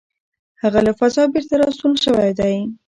هغه له فضا بېرته راستون شوی دی.